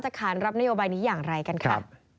ขานรับนโยบายนี้อย่างไรกันค่ะ